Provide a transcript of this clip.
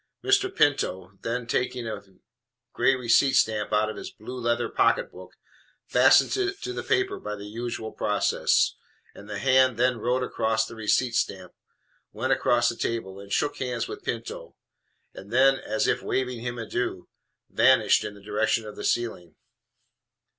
Mr. Pinto, then, taking a gray receipt stamp out of his blue leather pocketbook, fastened it on to the paper by the usual process; and the hand then wrote across the receipt stamp, went across the table and shook hands with Pinto, and then, as if waving him an adieu, vanished in the direction of the ceiling.